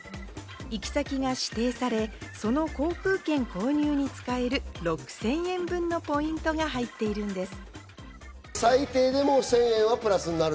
行き先が指定され、その航空券購入に使える６０００円分のポイントが入っているんです。